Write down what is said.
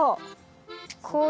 こう？